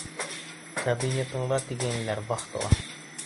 Кабинетында тигәйнеләр вахтала.